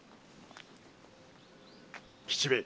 〔吉兵衛